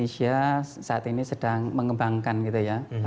indonesia saat ini sedang mengembangkan gitu ya